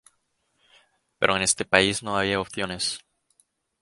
Pero en este país no había opciones".